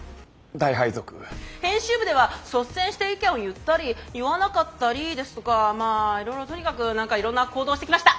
編集部では率先して意見を言ったり言わなかったりですとかまあいろいろとにかく何かいろんな行動をしてきました！